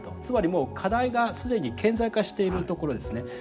つまりもう課題が既に顕在化しているところですね。